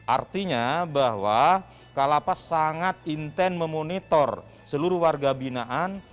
artinya bahwa kalapas sangat intent memonitor seluruh warga binaan